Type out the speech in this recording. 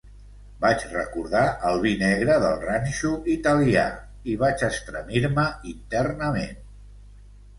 Vaig recordar el vi negre del ranxo italià, i vaig estremir-me internament.